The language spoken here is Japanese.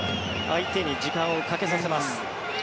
相手に時間をかけさせます。